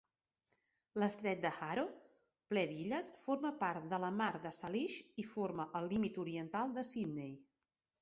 L'estret de Haro, ple d'illes, forma part de la Mar de Salish i forma el límit oriental de Sidney.